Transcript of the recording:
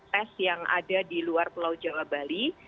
tes yang ada di luar pulau jawa bali